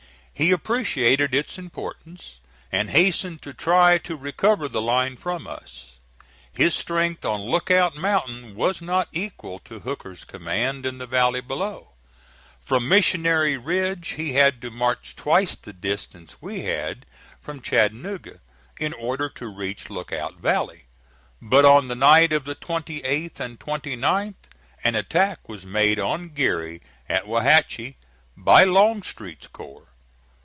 He appreciated its importance, and hastened to try to recover the line from us. His strength on Lookout Mountain was not equal to Hooker's command in the valley below. From Missionary Ridge he had to march twice the distance we had from Chattanooga, in order to reach Lookout Valley; but on the night of the 28th and 29th an attack was made on Geary at Wauhatchie by Longstreet's corps.